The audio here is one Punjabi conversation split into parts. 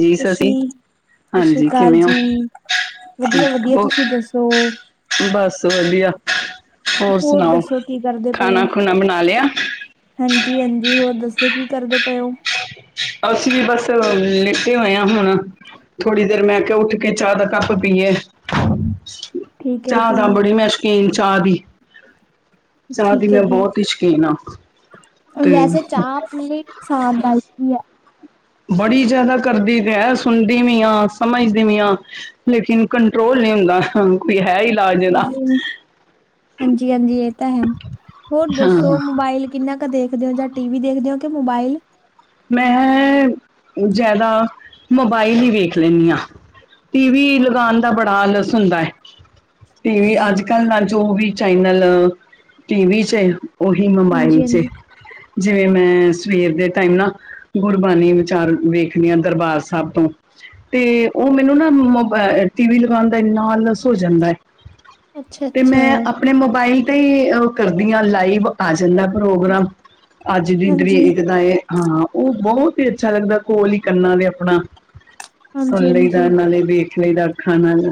ਜੀ ਸਸ ਸਸੀ ਸ਼੍ਰੀ, ਸਤਿ ਸ੍ਰੀ ਹਾਂਜੀ ਕਾਲ ਕਿਵੇਂ ਹੋ ਜੀ। ਠੀਕ ਵਧੀਆ-ਵਧੀਆ ਹੋ ਤੁਸੀਂ ਦੱਸੋ? ਬਸ ਵਧੀਆ, ਹੋਰ ਸੁਣਾਓ? ਦੱਸੋ ਕੀ ਖਾਣਾ ਖੁਣਾ ਬਣਾ ਲਿਆ। ਹਾਂਜੀ-ਹਾਂਜੀ ਹੋਰ ਦੱਸੋ, ਕੀ ਕਰਦੇ ਪਏ ਓ? ਅਸੀਂ ਵੀ ਬਸ ਲੇਟੇ ਹੋਏ ਆ ਹੁਣ। ਥੋੜ੍ਹੀ ਦੇਰ ਮੈਂ ਕੈਆ ਉੱਠ ਕੇ ਚਾਹ ਦਾ ਕੱਪ ਪੀਏ। ਠੀਕ ਹੈ ਚਾਹ ਜੀ ਦਾ ਬੜੀ ਮੈਂ ਸ਼ੌਕੀਨ ਚਾਹ ਦੀ ਚਾਹ ਦੀ ਠੀਕ ਹੈ ਮੈਂ ਜੀ ਬੋਤ ਈ ਸ਼ੌਕੀਨ ਆ। ਵੈਸੇ ਚਾਹ ਅਪਨੇ ਲਈ ਨੁਕਸਾਨ ਦਾਇਕ ਵੀ ਏ। ਬੜੀ ਜਾਦਾ ਕਰਦੀ ਗੈਸ, ਸੁਣਦੀ ਵੀ ਆ, ਸਮਝਦੀ ਵੀ ਆ ਲੇਕਿਨ ਕੰਟਰੋਲ ਨਈ ਹੁੰਦਾ ਕੋਈ ਹੈ ਈ ਵਧੀਆ ਜੀ, ਹਾਂਜੀ-ਹਾਂਜੀ ਏਹ ਤਾਂ ਹੈ, ਹੋਰ ਹਾਂ ਦੱਸੋ ਮੋਬਾਇਲ ਕਿੰਨਾ ਕ ਦੇਖਦੇ ਹੋ, ਜਾਂ ਟੀ ਵੀ ਦੇਖਦੇ ਹੋ ਕਿ ਮੋਬਾਇਲ? ਮੈਂ ਜਾਦਾ ਮੋਬਾਇਲ ਈ ਵੇਖ ਲੈਂਨੀ ਆ। ਟੀ ਵੀ ਲਗਾਨ ਦਾ ਬੜਾ ਆਲਸ ਹੁੰਦਾ ਐ। ਟੀ ਵੀ ਅੱਜ-ਕੱਲ ਨਾਲ ਜੋ ਵੀ ਚੈਈਨਲ, ਟੀਵੀ ਚੈ ਓਹੀ ਮੋਬਾਈਲ ਹਾਂਜੀ ਚ, ਹਾਂਜੀ ਜਿਵੇਂ ਮੈਂ ਸਵੇਰ ਦੇ ਟਾਈਮ ਨਾ ਗੁਰਬਾਣੀ ਵਿਚਾਰ ਵੇਖਣੀ ਆ ਦਰਬਾਰ ਸਾਬ ਤੋਂ ਤੇ ਓ ਮੈਨੂੰ ਨਾ ਮੋਬਾ ਅ ਟੀ ਵੀ ਲਗਾਣ ਦਾ ਏਨਾ ਆਲਸ ਹੋ ਜਾਂਦਾ ਏ, ਅੱਛਾ ਤੇ ਅੱਛਾ ਮੈਂ ਆਪਣੇ ਮੋਬਾਇਲ ਤੇ ਈ ਕਰਦੀ ਓ ਆ ਲਾਈਵ ਆ ਜਾਦਾ ਪ੍ਰੋਗਰਾਮ, ਅੱਜ ਦੀ ਹਾਂਜੀ ਡਰੀਕ ਦਾ ਏ ਹਾਂ। ਓ ਬਹੋਤ ਈ ਅੱਛਾ ਲੱਗਦਾ ਕੋਲ ਈ ਕੰਨਾਂ ਦੇ ਅਪਨਾ ਸੁਣ ਹਾਂਜੀ ਲਈ ਦਾ ਹਾਂਜੀ ਨਾਲੇ ਵੇਖ ਲਈ ਦਾ ਅੱਖਾਂ ਨਾਲ।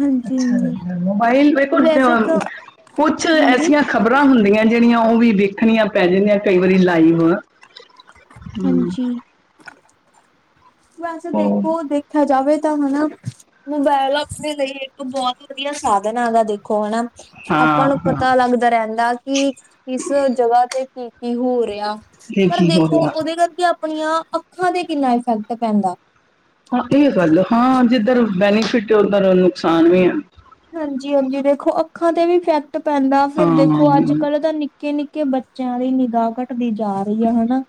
ਹਾਂਜੀ ਅੱਛਾ ਹਾਂਜੀ ਲੱਗਦਾ, ਮੋਬਾਈਲ ਵੇਖੋ ਵੈਸੇ ਤਾਂ ਅ ਕੁਛ ਹਾਂਜੀ ਐਸੀਆਂ ਖ਼ਬਰਾਂ ਹੁੰਦੀਆਂ ਜੇੜੀਆਂ ਓਵੀ ਵੇਖਨੀਆਂ ਪੈ ਜਾਂਦੀਆਂ ਕਈ ਵਾਰੀ ਲਾਈਵ ਹੂੰ ਹਾਂਜੀ। ਵੈਸੇ ਉਹ ਦੇਖੋ ਦੇਖਿਆ ਜਾਵੇ ਤਾਂ ਹੈਨਾ ਮੋਬਾਇਲ ਅਪਨੇ ਲਈ ਇੱਕ ਬੋਤ ਵਦੀਆ ਸਾਧਨ ਐਗਾ ਦੇਖੋ ਹੈਨਾ। ਆਪਾਂ ਹਾਂ ਨੂੰ ਹਾਂ ਪਤਾ ਲੱਗਦਾ ਰੈਂਦਾ ਕਿ ਕਿਸ ਜਗਾ ਤੇ ਕੀ-ਕੀ ਹੋ ਰਿਆ। ਇਹ ਪਰ ਕੀ ਹੋ ਦੇਖੋ ਰਿਹਾ ਓਦੇ ਕਰਕੇ ਆਪਨੀਆਂ ਅੱਖਾਂ ਤੇ ਕਿੰਨਾ ਇਫੈਕਟ ਪੈਂਦਾ। ਹਾਂ ਏ ਗੱਲ ਹਾਂ ਜਿੱਧਰ ਬੈਨੀਫਿਟ ਐ ਉੱਧਰ ਨੁਕਸਾਨ ਵੀ ਐ। ਹਾਂਜੀ-ਹਾਂਜੀ ਦੇਖੋ ਅੱਖਾਂ ਤੇ ਵੀ ਇਫੈਕਟ ਪੈਂਦਾ ਫਿਰ ਦੇਖੋ ਆੱਜ ਹਾਂ ਕੱਲ ਤਾਂ ਨੀ ਕੇ-ਨਿੱਕੇ ਬੱਚਿਆਂ ਦੀ ਨਿਗਾਹ ਘਟਦੀ ਜਾ ਪਈਆ ਹੋਨਾ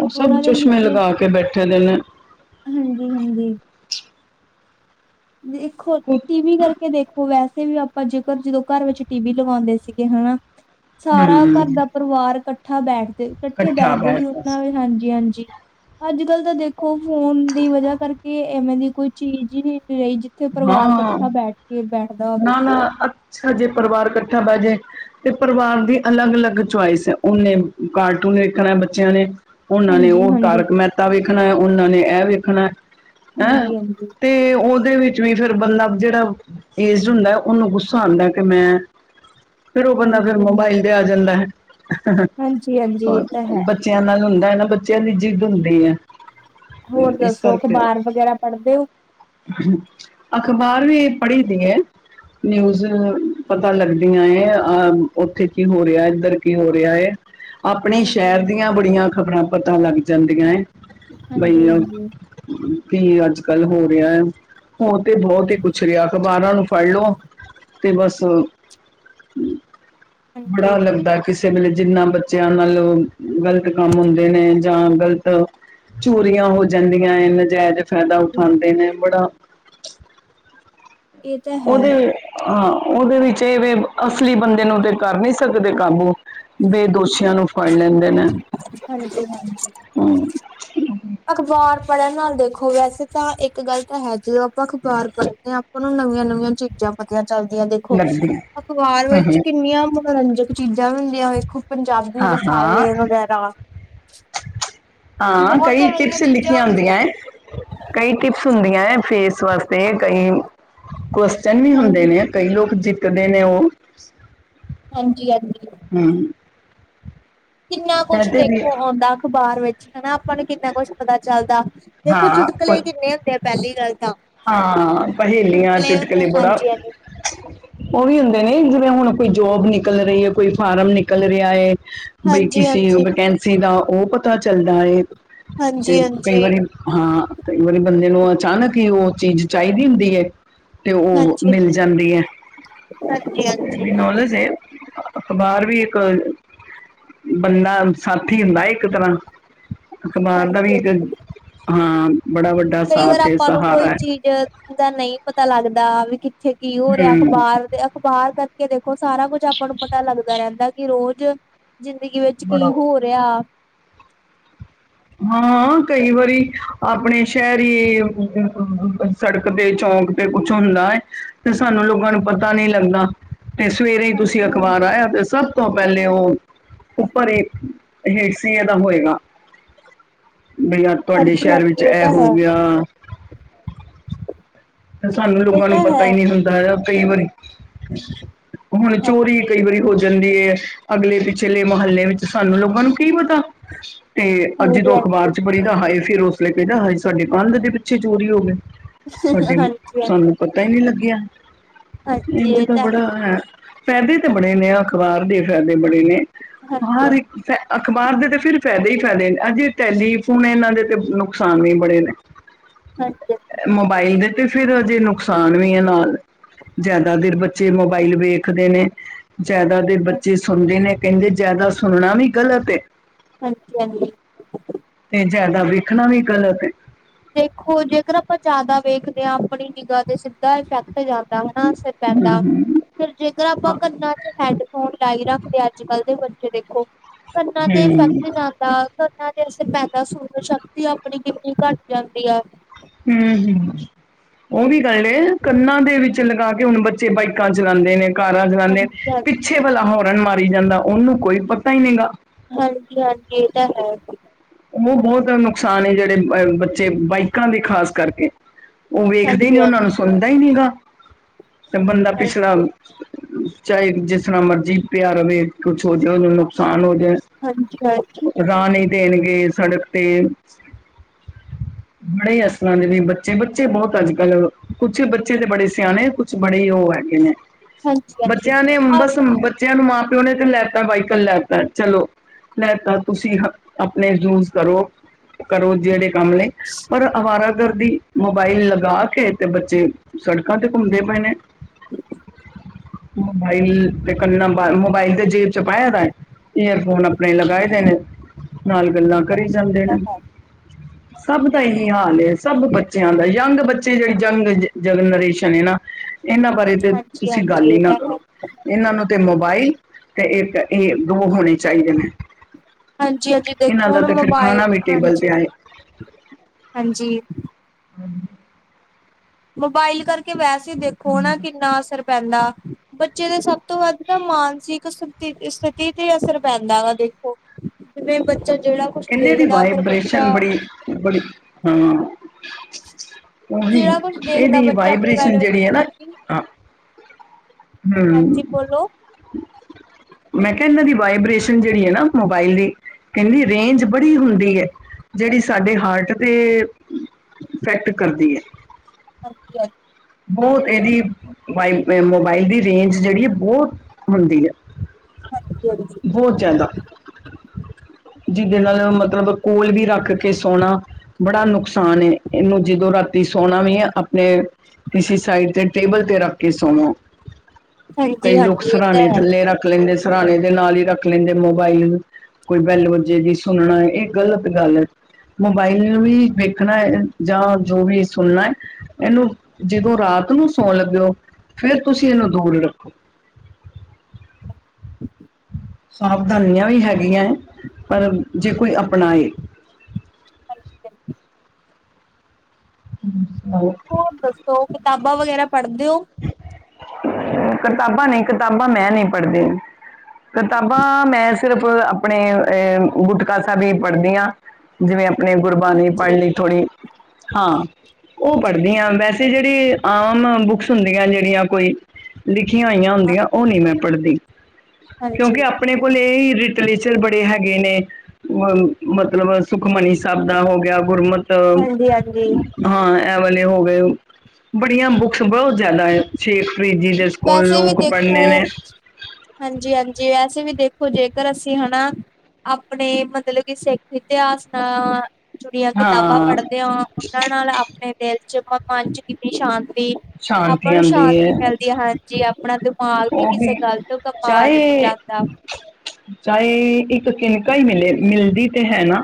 ਉਹ ਸਭ ਓਨਾਂ ਦੇ ਚਸ਼ਮੇ ਨਿੱਕੇ ਚ ਲਗਾ ਕੇ ਬੈਠੇ ਦੇ ਨੇ ਹਾਂਜੀ-ਹਾਂਜੀ। ਵੇਖੋ ਹੂੰ ਟੀ ਵੀ ਕਰਕੇ ਦੇ ਓ ਵੈਸੇ ਵੀ ਆਪਾਂ ਜੇਕਰ ਜਦੋਂ ਘਰ ਵਿੱਚ ਟੀ ਵੀ ਲਵਾਂਦੇ ਸੀਗੇ ਹੈਨਾ ਸਾਰਾ ਘਰ ਦਾ ਪਰਿਵਾਰ ਕੱਠਾ ਬੈਠਦੇ ਕੱਠੇ ਇਕੱਠਾ ਬੈਠਦੇ ਸੀ ਬੈਠ ਓਨਾਂ ਵੀ ਹਾਂਜੀ-ਹਾਂਜੀ। ਆੱਜ-ਕੱਲ ਤਾਂ ਦੇਖੋ ਫੋਨ ਦੀ ਵਜ੍ਹਾ ਕਰਕੇ ਐਵੇਂ ਦੀ ਕੋਈ ਚੀਜ਼ ਈ ਰਈ ਉਥੇ ਪਰਿਵਾਰ ਹਾਂ ਕੱਠਾ ਬੈਠ ਕੇ ਬੈਠਦਾ ਹੋਵੇ। ਛ ਜੇ ਪਰਿਵਾਰ ਕੱਠਾ ਬੈਜੇ ਤੇ ਪਰਿਵਾਰ ਦੀ ਅਲੱਗ-ਅਲੱਗ ਚੁਆਇਸ ਐ ਓਨੇ ਕਾਰਟੂਨ ਵੇਖਨਾ ਬੱਚਿਆਂ ਨੇ ਓਨਾਂ ਨੇ ਹਾਂਜੀ ਓ ਹਾਂਜੀ ਤਾਰਕ ਮ੍ਹੈਤਾ ਵੇਖਨਾ ਐ ਓਨਾਂ ਨੇ ਐ ਵੇਖਨਾ ਐ। ਹਾਂਜੀ ਹਾਂਜੀ ਹਾਂਜੀ ਤੇ ਓਦੇ ਵਿੱ ਚ ਵੀ ਫੇਰ ਬੰਦਾ ਜੇੜਾ ਏਜਡ ਹੁੰਦਾ ਓਨੂੰ ਗੁੱਸਾ ਆਂਦਾ ਕਿ ਮੈਂ ਫਿਰ ਓ ਬੰਦਾ ਫਿਰ ਹਾਂਜੀ ਮੋਬਾਈਲ ਦੇ ਆ ਜਾਂਦਾ ਐ ਤਾਂ ਹਾਂਜੀ ਹਾਂਜੀ ਇਹ ਤਾਂ ਕਰਕੇ ਹੈ ਬੱ ਚੇਆ ਨਾਲ ਹੁੰਦਾ ਨਾ ਬੱਚਿਆਂ ਦੀ ਜਿੱਦ ਹੁੰਦੀ ਐ। ਹੋਰ ਦੱਸੋ ਅਖ਼ਬਾਰ ਵਗੈਰਾ ਪੜਦੇ ਓ? ਅਖ਼ਬਾਰ ਵੀ ਪੜ੍ਹੀ ਦੀ ਏ। ਨਿਊਜ਼ ਪਤਾ ਲੱਗਦੀਆਂ ਏ ਅ ਓੱਥੇ ਕੀ ਹੋ ਰਿਆ, ਇੱਧਰ ਕੀ ਹੋ ਰਿਆ ਏ। ਅਪਨੇ ਹਾਂਜੀ ਸ਼੍ਹੈਰ ਹਾਂਜੀ ਦੀਆਂ ਬੜੀਆਂ ਖ਼ਬਰਾਂ ਪਤਾ ਲੱਗ ਜਾਂਦੀਆਂ ਏ। ਹਾਂਜੀ ਬਈ ਅ ਹਾਂਜੀ ਕੀ ਆੱਜ-ਕੱਲ ਹੋ ਰਿਆ ਐ। ਹੋ ਤੇ ਬੋਤ ਈ ਕੁੱਛ ਰਿਆ ਅਖਬਾਰਾਂ ਨੂੰ ਫੜ ਲਓ ਤੇ ਬਸ ਬੜਾ ਹਾਂਜੀ ਲੱਗਦੈ। ਕਿਸੇ ਵੇਲੇ ਜਿੰਨਾ ਬੱਚਿਆਂ ਨਾਲ ਗਲਤ ਕੰਮ ਹੁੰਦੇ ਨੇ ਜਾਂ ਗਲਤ ਚੋਰੀਆਂ ਹੋ ਜਾਂਦੀਆਂ ਏ, ਨਜਾਇਜ਼ ਫੈਦਾ ਉਠਾਂਦੇ ਨੇ ਬੜਾ ਇਹ ਤਾਂ ਹੈ ਓਦੇ ਵੇ ਹਾਂ ਓਦੇ ਵਿੱਚ ਏ ਵੇ ਅਸਲੀ ਬੰਦੇ ਨੂੰ ਤੇ ਕਰ ਨੀ ਸਕਦੇ ਕਾਬੂ ਬੇਦੋਸ਼ੀਆਂ ਨੂੰ ਫੜ ਲੈਂਦੇ ਨੇ ਹਾਂਜੀ-ਹਾਂਜੀ। ਹਮ, ਅਖ਼ਬਾਰ ਪੜਨ ਨਾਲ ਦੇਖੋ ਵੈਸੇ ਤਾਂ ਇੱਕ ਗੱਲ ਤਾਂ ਹੈ ਜਦੋਂ ਆਪਾਂ ਅਖ਼ਬਾਰ ਪੜਦੇ ਆ ਤੁਆਨੁੰ ਨਵੀਆਂ-ਨਵੀਆਂ ਚੀਜ਼ਾਂ ਪਤੀਆਂ ਚੱਲਦੀਆਂ ਦੇਖੋ ਲੱਗਦੀ ਹੈ ਅਖ਼ਬਾਰ ਹੂੰ ਵਿੱਚ ਹੂੰ ਕਿੰਨੀਆਂ ਮਨੋਰੰਜਕ ਚੀਜ਼ਾਂ ਹੁੰਦੀਆਂ ਵੇਖੋ ਪੰਜਾਬੀ ਹਾਂ ਹਾਂ ਰਸਾਲੇ ਵਗੈਰਾ ਹਾਂ ਬੋਹਤ ਕਈ ਟਿਪਸ ਲਿਖੀਆਂ ਹੁੰਦੀਆਂ ਐ, ਕਈ ਟਿਪਸ ਹੁੰਦੀਆਂ ਐ ਫੇਸ ਵਾਸਤੇ ਕਈ ਕੋਸ਼ਚਨ ਵੀ ਹੁੰਦੇ ਹਾਂਜੀ, ਨੇ ਕਈ ਲੋਕ ਜਿੱਤਦੇ ਨੇ ਓ। ਹਾਂਜੀ-ਹਾਂਜੀ। ਹੂੰ। ਕਿੰਨਾ ਕੁਛ ਇਹਦੇ ਵੀ ਦੇਖੋ ਆਉਂਦਾ ਅਖਬਾਰ ਵਿੱਚ ਹਨਾ ਆਪਾਂ ਨੂੰ ਕਿੰਨਾ ਕੁਛ ਪਤਾ ਚੱਲਦਾ ਦੇਖੋ ਹਾਂ ਚੁਟਕਲੇ ਕੁ- ਕਿੰਨੇ ਹੁੰਦੇ ਆ ਪਹਿਲੀ ਗੱਲ ਤਾਂ ਹਾਂ ਪਹੇਲੀਆਂ ਹੁੰਦੇ ਚੁਟਕਲੇ ਬੜਾ ਹਾਂਜੀ, ਹਾਂਜੀ। ਉਹ ਵੀ ਹੁੰਦੇ ਨੇ ਜਿਵੇਂ ਹੁਣ ਕੋਈ ਜੋਬ ਨਿਕਲ ਰਹੀ ਹੈ ਕੋਈ ਫਾਰਮ ਨਿਕਲ ਰਿਆ ਏ ਬਈ ਹਾਂਜੀ, ਕਿਸੇ ਹਾਂਜੀ, ਵੈਕੈਂਸੀ ਦਾ ਉਹ ਪਤਾ ਚੱਲਦਾ ਹੈ ਤੇ ਹਾਂਜੀ, ਹਾਂਜੀ, ਕਈ ਵਾਰੀ ਹਾਂ, ਕਈ ਵਾਰੀ ਬੰਦੇ ਨੂੰ ਅਚਾਨਕ ਹੀ ਉਹ ਚੀਜ਼ ਚਾਹੀਦੀ ਹੁੰਦੀ ਏ ਤੇ ਉਹ ਹਾਂਜੀ, ਮਿਲ ਜਾਂਦੀ ਹੈ। ਹਾਂਜੀ, ਇਹ ਵੀ ਹਾਂਜੀ, ਨੌਲੇਜ ਏ ਅਖਬਾਰ ਵੀ ਇੱਕ ਬੰਦਾ ਸਾਥੀ ਹੁੰਦਾ, ਇੱਕ ਤਰ੍ਹਾਂ ਅਖਬਾਰ ਦਾ ਵੀ ਹਾਂਜੀ। ਇੱਕ ਹਾਂ, ਬੜਾ ਵੱਡਾ ਕਈ ਵਾਰ ਸਾਥ ਹੈ ਆਪਾਂ ਨੂੰ ਕੋਈ ਸਹਾਰਾ ਹੈ ਚੀਜ਼ ਦਾ ਨਹੀਂ ਪਤਾ ਲੱਗਦਾ ਵੀ ਕਿੱਥੇ ਕੀ ਹੋ ਰਿਹਾ ਹੂੰ ਅਖਬਾਰ ਤੇ ਅਖ਼ਬਾਰ ਕਰਕੇ ਦੇਖੋ ਸਾਰਾ ਕੁੱਝ ਆਪਾਂ ਨੂੰ ਪਤਾ ਲੱਗਦਾ ਰਹਿੰਦਾ, ਕਿ ਰੋਜ਼ ਜ਼ਿੰਦਗੀ ਵਿੱਚ ਕੀ ਬੜਾ ਹੋ ਰਿਆ ਹਾਂ ਕਈ ਵਾਰੀ ਆਪਣੇ ਸ਼ਹਿਰੀ ਸੜਕ ਤੇ, ਚੌਂਕ ਤੇ ਕੁਛ ਹੁੰਦਾ ਹੈ, ਤੇ ਸਾਨੂੰ ਲੋਕਾਂ ਨੂੰ ਪਤਾ ਨੀ ਲੱਗਦਾ ਤੇ ਸਵੇਰੇ ਹੀ ਤੁਸੀਂ ਹਾਂਜੀ ਅਖ਼ਬਾਰ ਹਾਂਜੀ ਆਇਆ ਤੇ ਸਭ ਤੋਂ ਪਹਿਲੇ ਉਹ ਉੱਪਰ ਹੀ ਹੈਸੀਏ ਦਾ ਹੋਏਗਾ ਬਈ ਆਂ, ਤੁਹਾਡੇ ਹਾਂਜੀ ਸ਼ਹਿਰ ਵਿੱਚ ਹਾਂਜੀ ਇਹ ਤਾਂ ਹੋ ਹੈ ਗਿਆ ਤੇ ਸਾਨੂੰ ਇਹ ਲੋਕਾਂ ਨੂੰ ਤਾਂ ਹੈ ਪਤਾ ਹੀ ਨਹੀਂ ਹੁੰਦਾ ਹੈ, ਕਈ ਵਾਰੀ ਹੁਣ ਚੋਰੀ ਹਾਂਜੀ ਕਈ ਵਾਰੀ ਹੋ ਜਾਂਦੀ ਏ ਅਗਲੇ- ਪਿਛਲੇ ਮੁਹੱਲੇ ਵਿੱਚ ਸਾਨੂੰ ਲੋਕਾਂ ਨੂੰ ਕੀ ਪਤਾ, ਤੇ ਆ ਹਾਂਜੀ ਜਦੋਂ ਹਾਂਜੀ ਅਖ਼ਬਾਰ ਚ ਕਹਿੰਦਾ ਹਾਏ ਫਿਰ ਉਸ ਲੇ ਕਹਿੰਦਾ ਹਾਏ! ਸਾਡੇ ਕੰਧ ਦੇ ਪਿੱਛੇ ਚੋਰੀ ਹੋ ਗਏ ਹਾਂਜੀ। ਹਾਂਜੀ ਸਾਨੂੰ ਪਤਾ ਹੀ ਨਹੀਂ ਲੱਗਿਆ, ਹਾਂਜੀ ਇੰਝ ਇਹ ਦਾ ਤਾਂ ਬੜਾ ਹੈ ਫਾਇਦੇ ਤਾਂ ਬੜੇ ਨੇ, ਅਖ਼ਬਾਰ ਦੇ ਫਾਇਦੇ ਬੜੇ ਨੇ। ਹਾਂਜੀ ਹਰ ਇੱਕ ਅਖ਼ਬਾਰ ਦੇ ਤਾਂ ਫਿਰ ਫ਼ਾਇਦੇ ਹੀ ਫ਼ਾਇਦੇ ਨੇ। ਅਜੇ ਟੈਲੀਫੋਨ ਇਹਨਾਂ ਦੇ ਤੇ ਨੁਕਸਾਨ ਵੀ ਬੜੇ ਨੇ [inaudible] ਹਾਂਜੀ‌। ਮੋਬਾਇਲ ਦੇ ਤੇ ਫਿਰ ਹਜੇ ਨੁਕਸਾਨ ਵੀ ਹੈ, ਨਾਲ ਜ਼ਿਆਦਾ ਦੇਰ ਬੱਚੇ ਮੋਬਾਈਲ ਵੇਖਦੇ ਨੇ ਜਿਆਦਾ ਦੇਰ ਹਾਂਜੀ ਬੱਚੇ ਸੁਣਦੇ ਨੇ, ਕਹਿੰਦੇ ਜਿਆਦਾ ਸੁਣਨਾ ਵੀ ਗ਼ਲਤ ਐ ਹਾਂਜੀ-ਹਾਂਜੀ। ਤੇ ਜ਼ਿਆਦਾ ਵੇਖਣਾ ਵੀ ਗ਼ਲਤ ਹੈ। ਦੇਖੋ ਜੇਕਰ ਆਪਾਂ ਜ਼ਿਆਦਾ ਵੇਖਦੇ ਹਾਂ, ਆਪਣੀ ਨਿਗਾਹ ਤੇ ਸਿੱਧਾ ਇਫੈਕਟ ਜਾਂ ਦਾ ਸਿਰ ਪੈਂਦਾ ਹੂੰ ਫਿਰ ਜੇਕਰ ਆਪਾਂ ਕੰਨਾਂ ਚ ਹੈਡਫੋਨ ਲਾਈ ਰੱਖਦੇ, ਅੱਜ- ਕੱਲ੍ਹ ਦੇ ਬੱਚੇ ਦੇਖੋ ਕੰਨਾਂ ਤੇ ਹੂੰ ਇਫੈਕਟ ਜਾਂਦਾ, ਕੰਨਾਂ ਤੇ ਅਸਰ ਪੈਦਾ, ਸੁਣਨ ਸ਼ਕਤੀ ਆਪਣੀ ਕਿਨੀ ਘੱਟ ਜਾਂਦੀ ਆ। ਹੂੰ ਹੂੰ ਉਹ ਵੀ ਗੱਲ ਏ ਕੰਨਾਂ ਦੇ ਵਿੱਚ ਲਗਾ ਕੇ, ਹੁਣ ਬੱਚੇ ਬਾਈਕਾਂ ਚਲਾਉਂਦੇ ਨੇ ਕਾਰਾਂ ਚਲਾਉਂਦੇ, ਹਾਂਜੀ ਹਾਂਜੀ ਪਿੱਛੇ ਵਾਲਾ ਹੋਰਨ ਮਾਰੀ ਜਾਂਦਾ, ਉਹਨੂੰ ਕੋਈ ਪਤਾ ਹੀ ਨਹੀਂ ਗਾ ਹਾਂਜੀ-ਹਾਂਜੀ। ਇਹ ਤਾਂ ਹੈ ਉਹ ਬਹੁਤ ਜਿਆਦਾ ਨੁਕਸਾਨ ਐ, ਜਿਹੜੇ ਅ ਬੱਚੇ ਬਾਈਕਾਂ ਦੇ ਖ਼ਾਸ ਕਰਕੇ ਉਹ ਵੇਖਦੇ ਨੀ, ਹਾਂਜੀ ਉਹਨਾਂ ਨੂੰ ਸੁਣਦਾ ਹੀ ਨਹੀਂ ਗਾ, ਤੇ ਬੰਦਾ ਪਿਛਲਾ ਹਾਂਜੀ ਚਾਹੇ ਜਿਸ ਤਰ੍ਹਾਂ ਮਰਜੀ ਪਿਆ ਰਵੇ, ਕੁਛ ਹੋ ਜਾਵੇ, ਉਹਨੂੰ ਨੁਕਸਾਨ ਹੋ ਜਾਏ ਹਾਂਜੀ- ਹਾਂਜੀ। ਰਾਹ ਨੀ ਦੇਣਗੇ ਸੜਕ ਤੇ ਬੜੇ ਅਸਲਾਂ ਦੇ ਨੇ ਬੱਚੇ, ਬੱਚੇ ਬਹੁਤ ਅੱਜ-ਕੱਲ ਕੁਛ ਬੱਚੇ ਤੇ ਬੜੇ ਸਿਆਣੇ ਬੜੇ ਉਹ ਹੈਗੇ ਨੇ, ਹਾਂਜੀ ਹਾਂਜੀ ਹਾਂਜੀ ਬੱਚਿਆਂ ਨੇ ਆਹ ਬਸ ਬੱਚਿਆਂ ਨੂੰ ਮਾਂ ਪਿਓ ਨੇ ਤੇ ਲੈਤਾ, ਵਾਈਕਲ ਲੈਤਾ ਚਲੋ ਲੈਤਾ ਤੁਸੀਂ [unintelligible] ਜੂਸ ਕਰੋ, ਕਰੋ ਜਿਹੜੇ ਕੰਮ ਨੇ, ਔਰ ਅਵਾਰਾ ਗਰਦੀ ਮੋਬਾਇਲ ਲਗਾ ਕੇ ਤੇ ਬੱਚੇ ਸੜਕਾਂ ਤੇ ਘੁੰਮਦੇ ਪਏ ਨੇ ਮੋਬਾਈਲ ਤੇ ਕੰਨਾ ਮੋਬਾਇਲ ਤੇ ਜੇਬ ਚ ਪਾਇਆ ਦਾ ਈਅਰਫੋਨ ਆਪਣੇ ਲਗਾਏ ਦੇ ਨੇ ਨਾਲ ਗੱਲਾਂ ਕਰੀ ਜਾਂਦੇ ਤਾਂ ਨੇ, ਹੈ ਸਭ ਦਾ ਇਹੀ ਹਾਲ ਐ। ਸਭ ਬੱਚਿਆਂ ਦਾ ਯੰਗ ਬੱਚੇ ਜਿਹੜੀ ਯੰਗ ਜਨਰੇਸ਼ਨ ਐ ਨਾ ਇਹਨਾਂ ਪਰ ਐਤੇ ਹਾਂਜੀ ਤੁਸੀਂ ਹਾਂਜੀ ਗੱਲ ਈ ਇਹ ਨਾ ਤਾਂ ਹੈ ਕਰੋ। ਇਹਨਾਂ ਨੂੰ ਤੇ ਮੋਬਾਈਲ ਤੇ ਇੱਕ ਇਹ ਦੋ ਹੋਣੇ ਚਾਹੀਦੇ ਨੇ, ਹਾਂਜੀ-ਹਾਂਜੀ ਇਹਨਾਂ ਦੇਖੋ ਦਾ ਹੁਣ ਤੇ ਫਿਰ ਮੋਬਾਇਲ, ਖਾਣਾ ਵੀ ਟੇਬਲ ਤੇ ਆਏ ਹਾਂਜੀ-ਹਾਂਜੀ। ਹੂੰ, ਮੋਬਾਇਲ ਕਰਕੇ ਵੈਸੇ ਈ ਦੇਖੋ ਹਨਾ ਕਿੰਨਾ ਅਸਰ ਪੈਂਦਾ ਬੱਚੇ ਦੀ ਸਭ ਤੋਂ ਵੱਧ ਤਾਂ ਮਾਨਸਿਕ ਸ ਸਥਿਤੀ ਤੇ ਅਸਰ ਪੈਂਦਾ ਵਾ ਦੇਖੋ [inaudible] ਜਿਵੇਂ ਬੱਚਾ ਜਿਹੜਾ ਕੁਛ ਕਹਿੰਦੇ ਇਹਦੀ ਦੇਖਦਾ ਫਿਰ ਬੱਚਾ ਵਾਈਬ੍ਰੇਸ਼ਨ ਬੜੀ, ਬੜੀ ਹਾਂ। ਉਹੀ ਜਿਹੜਾ ਕੁਛ ਦੇਖਦਾ ਇਹਦੀ ਬੱਚਾ ਵਾਈਬ੍ਰੇਸ਼ਨ ਮੋਬਾਇਲ ਵਿੱਚ ਜਿਹੜੀ ਐ ਨਾਂ ਹਾਂਜੀ ਹੂੰ, ਹਾਂਜੀ ਬੋਲੋ ਮੈਂ ਕਿਹਾ ਇਹਨਾਂ ਦੀ ਵਾਈਬ੍ਰੇਸ਼ਨ ਜਿਹੜੀ ਐ ਨਾ ਮੋਬਾਇਲ ਦੀ ਕਹਿੰਦੀ। ਰੇਂਜ ਬੜੀ ਹੁੰਦੀ ਐ। ਜਿਹੜੀ ਸਾਡੇ ਹਾਰਟ ਤੇ ਇਫੈਕਟ ਕਰਦੀ ਐ। ਹਾਂਜੀ ਹਾਂਜੀ, ਬਹੁਤ ਇਹਦੀ, ਵਾਈ ਮੋਬਾਈਲ ਦੀ ਰੇਂਜ ਜਿਹੜੀ ਐ ਬਹੁਤ ਹੁੰਦੀ ਐ। [inaudible] ਹਾਂਜੀ ਹਾਂਜੀ, ਬਹੁਤ ਜਾਦਾ, ਜਿਦੇ ਨਾਲ ਮਤਲਬ ਕੋਲ ਵੀ ਰੱਖ ਕੇ ਸੋਣਾ ਬੜਾ ਨੁਕਸਾਨ ਐ ਇਹਨੂੰ ਜਦੋਂ ਰਾਤੀ ਸੋਣਾ ਵੀ ਐ ਆਪਣੇ ਕਿਸੀ ਸਾਈਡ ਤੇ ਟੇਬਲ ਤੇ ਰੱਖ ਕੇ ਸੋਣਾ। ਹਾਂਜੀ ਕਈ ਲੋਕ ਹਾਂਜੀ ਇਹ ਤਾਂ ਸਰਾਹਣੇ ਹੈ ਥੱਲੇ ਰੱਖ ਲੈਂਦੇ ਸਰਾਣੇ ਦੇ ਨਾਲ ਈ ਰੱਖ ਲੈਂਦੇ ਮੋਬਾਈਲ ਨੂੰ ਕੋਈ ਬੈਲ ਵਜੇ ਵੀ ਸੁਣਨਾ ਇਹ ਗ਼ਲਤ ਗੱਲ ਐ। ਮੋਬਾਈਲ ਨੂੰ ਵੀ ਵੇਖਣਾ ਜਾਂ ਜੋ ਵੀ ਸੁਣਨਾ ਇਹਨੂੰ ਜਦੋਂ ਰਾਤ ਨੂੰ ਸੌਣ ਲੱਗੇ ਓ, ਫੇਰ ਤੁਸੀਂ ਇਹਨੂੰ ਦੂਰ ਰੱਖੋ। ਸਾਵਧਾਨੀਆਂ ਵੀ ਹੈਗੀਆਂ, ਪਰ ਜੇ ਕੋਈ ਅਪਣਾਏ [inaudible] ਤੁਸੀ ਸੁਣਾਓ? ਹੋਰ ਦੱਸੋ ਕਿਤਾਬਾਂ ਵਗੈਰਾ ਪੜ੍ਹਦੇ ਔ? ਕਿਤਾਬਾਂ ਨੇ ਕਿਤਾਬਾਂ ਮੈਂ ਨੀ ਪੜ੍ਹਦੀ। ਕਿਤਾਬਾਂ ਮੈਂ ਸਿਰਫ਼ ਆਪਣੇ ਅ ਗੁਟਕਾ ਸਾਹਿਬ ਵੀ ਪੜ੍ਹਦੀ ਆ। ਜਿਵੇਂ ਆਪਣੇ ਗੁਰਬਾਣੀ ਪੜ੍ਹ ਹਾਂਜੀ ਲਈ ਥੋੜ੍ਹੀ ਹਾਂ ਉਹ ਹਾਂਜੀ ਪੜ੍ਹਦੀਆਂ ਵੈਸੇ ਤੇ ਜਿਹੜੀ ਆਮ ਬੁੱਕਸ ਹੁੰਦੀਆਂ ਜਿਹੜੀਆਂ ਕੋਈ ਲਿਖੀਆਂ ਹੋਈਆਂ ਹੁੰਦੀਆਂ ਉਹ ਨੀ ਮੈਂ ਪੜ੍ਹਦੀ, ਹਾਂਜੀ ਕਿਉਂਕਿ ਆਪਣੇ ਕੋਲ ਇਹੀ ਲਿਟਰੇਚਰ ਬੜੇ ਹੈਗੇ ਨੇ। ਅ ਮਤਲਬ ਸੁਖਮਨੀ ਸਾਹਿਬ ਦਾ ਹੋ ਗਿਆ ਗੁਰਮਤ ਹਾਂਜੀ ਹਾਂਜੀ ਹਾਂ ਐ ਵਾਲੇ ਹੋ ਗਏ ਬੜੀਆਂ ਬੁੱਕਸ ਬਹੁਤ ਜਿਆਦਾ ਐ ਸ਼ੇਖ ਫਰੀਦ ਜੀ ਦੇ ਸਕੂਲ ਲੋਕ ਪੜ੍ਹਨੇ ਨੇ ਹਾਂਜੀ, ਹਾਂਜੀ ਵੈਸੇ ਵੀ ਦੇਖੋ ਜੇਕਰ ਅਸੀਂ ਹਨਾ ਆਪਣੇ ਮਤਲਬ ਕਿ ਸਿੱਖ ਇਤਿਹਾਸ ਨਾਲ ਜੁੜੀਆਂ ਕਿਤਾਬਾਂ ਹਾਂ ਪੜ੍ਹਦੇ ਓ ਉਨਾਂ ਨਾਲ ਆਪਣੇ ਦਿਲ ਚ ਮਨ ਚ ਕਿੰਨੀ ਸ਼ਾਂਤੀ ਆਪਾਂ ਸ਼ਾਂਤੀ ਨੂੰ ਆਉਂਦੀ ਸ਼ਾਂਤੀ ਹੈ ਮਿਲਦੀ ਆ, ਹਾਂਜੀ ਆਪਣਾ ਦ ਦਿਮਾਗ ਵੀ ਉਹੀ ਕਿਸੇ ਗਲਤ ਕੰਮਾਂ ਵੱਲ ਨੀ ਚਾਹੇ ਜਾਂਦਾ ਚਾਹੇ ਇੱਕ ਕਿਨਕਾ ਹੀ ਮਿਲੇ ਮਿਲਦੀ ਤੇ ਹੈ ਨਾ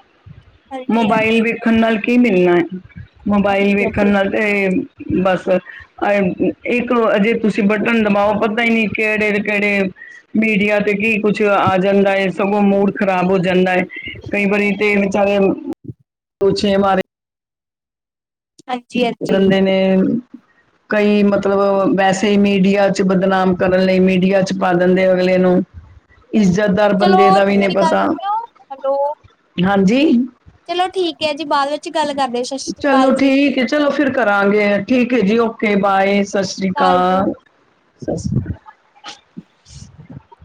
ਮੋਬਾਇਲ ਹਾਂਜੀ-ਹਾਂਜੀ, ਵੇਖਣ ਨਾਲ ਕੀ ਮਿਲਣਾ ਐ, ਮੋਬਾਇਲ ਵੇਖਣ ਹਾਂਜੀ-ਹਾਂਜੀ, ਨਾਲ ਤੇ ਬਸ ਅ ਇੱਕ ਜੇ ਤੁਸੀਂ ਬਟਨ ਦਬਾਓ ਪਤਾ ਹੀ ਨੀਂ ਕਿਹੜੇ-ਕਿਹੜੇ ਮੀਡੀਆ ਤੇ ਕੀ ਕੁਛ ਆ ਜਾਂਦਾ ਏ ਸਗੋਂ ਮੂਡ ਖਰਾਬ ਹੋ ਜਾਂਦਾ ਏ ਕਈ ਬਾਰੀ ਤੇ [unintelligible] ਹਾਂਜੀ [unintelligible] ਨੇ ਕਈ ਮਤਲਬ ਵੈਸੇ ਹੀ ਮੀਡੀਆ ਚ ਬਦਨਾਮ ਕਰਨ ਲਈ ਮੀਡੀਆ ਚ ਪਾ ਦਿੰਦੇ ਆ ਅਗਲੇ ਨੂੰ ਇੱਜ਼ਤਦਾਰ ਚਲੋ ਬੰਦੇ ਦਾ ਵੀ ਨਹੀਂ ਮੇਰੀ ਗੱਲ ਪਤਾ, ਸੁਣਿਓ ਹੈਲੋ ਹਾਂਜੀ। ਚਲੋ ਠੀਕ ਐ ਜੀ ਬਾਦ ਵਿੱਚ ਗੱਲ ਕਰਦੇ ਸ੍ਰੀ ਚਲੋ ਅਕਾਲ ਜੀ। ਠੀਕ ਐ ਚਲੋ ਫਿਰ ਕਰਾਂਗੇ ਠੀਕ ਐ ਜੀ ਓਕੇ ਬਾਏ ਸਤਿ ਸ੍ਰੀ ਸ਼੍ਰੀ ਅਕਾਲ ਜੀ। ਕਾਲ। ਸਤਿ ਸ਼੍ਰੀ ਕਾਲ।